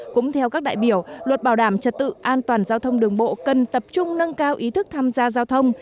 cũng theo các đại biểu luật bảo đảm trật tự an toàn giao thông đường bộ cần tập trung nâng cao ý thức tham gia giao thông